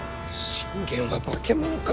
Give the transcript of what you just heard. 信玄は化け物か！